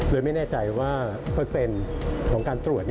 ไม่แน่ใจว่าเปอร์เซ็นต์ของการตรวจ